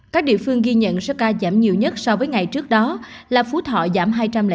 các địa phương ghi nhận số ca giảm nhiều nhất so với ngày trước đó là phú thọ giảm hai trăm linh